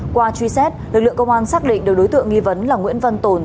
qua truy xét lực lượng công an xác định được đối tượng nghi vấn là nguyễn văn tồn